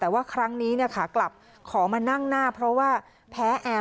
แต่ว่าครั้งนี้กลับขอมานั่งหน้าเพราะว่าแพ้แอร์